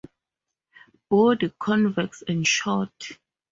Body convex and short.